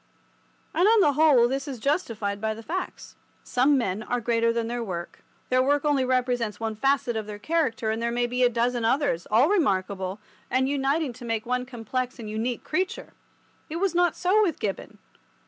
And on the whole this is justified by the facts. Some men are greater than their work. Their work only represents one facet of their character, and there may be a dozen others, all remarkable, and uniting to make one complex and unique creature. It was not so with Gibbon.